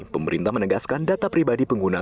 pemerintah menegaskan data pribadi pengguna